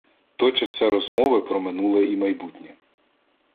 Точаться розмови про минуле і майбутнє.